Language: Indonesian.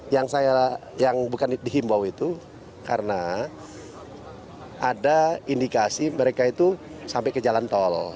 yang saya yang bukan dihimbau itu karena ada indikasi mereka itu sampai ke jalan tol